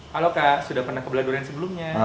halo kak sudah pernah ke beladuran sebelumnya